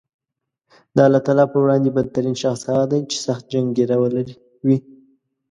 د الله تعالی په وړاندې بد ترین شخص هغه دی چې سخت جنګېره وي